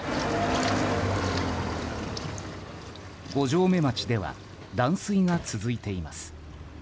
五城目町では断水が続いています。